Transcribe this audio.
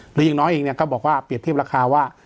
หรืออย่างน้อยเองเนี่ยก็บอกว่าเปรียบเทียบราคาว่า